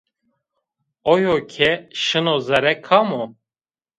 Oyo ke şino zere, kam o?